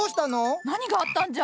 何があったんじゃ？